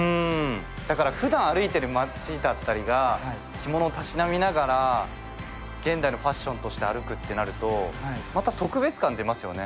だからふだん歩いてる街だったりが着物をたしなみながら現代のファッションとして歩くってなるとまた特別感出ますよね。